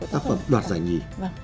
tác phẩm đoàn giải nhịp